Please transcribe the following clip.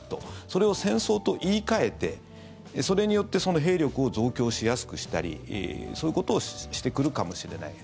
それを戦争と言い換えてそれによって兵力を増強しやすくしたりそういうことをしてくるかもしれない。